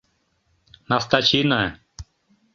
Настачина